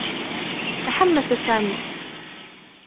تحمّس سامي.